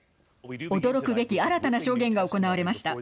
驚くべき新たな証言が行われました。